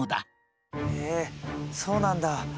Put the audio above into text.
へえそうなんだ。